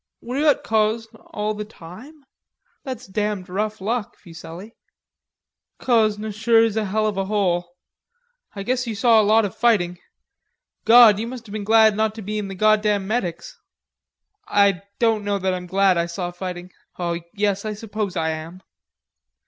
"Were you at Cosne all the time? That's damned rough luck, Fuselli." "Cosne sure is a hell of a hole.... I guess you saw a lot of fighting. God! you must have been glad not to be in the goddam medics." "I don't know that I'm glad I saw fighting.... Oh, yes, I suppose I am."